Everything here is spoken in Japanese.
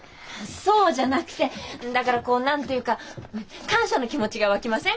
そうじゃなくてだからこう何と言うか感謝の気持ちが湧きません？